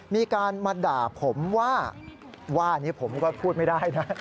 มีการมาด่าผมว่าว่านี้ผมก็พูดไม่ได้นะ